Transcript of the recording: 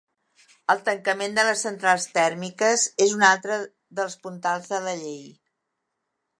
El tancament de les centrals tèrmiques és un altre dels puntals de la llei.